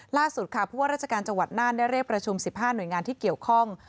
ล่าสุดค่ะผู้ว่าราชการจังหวัดน่านได้เรียกประชุม๑๕หน่วยงานที่เกี่ยวข้อง